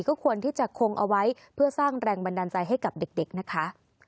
ก็ควรที่จะคงเอาไว้เพื่อสร้างแรงบันดาลใจให้กับเด็กนะคะ